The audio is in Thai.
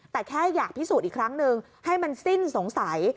แต่แค่อยากพิสูจน์อีกครั้งหนึ่งให้มันสิ้นสงสัย